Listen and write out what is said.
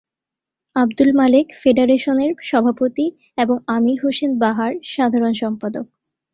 আবদুল মালেক ফেডারেশনের সভাপতি এবং আমির হোসেন বাহার সাধারণ সম্পাদক।